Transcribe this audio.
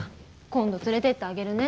「今度連れてってあげるね」って。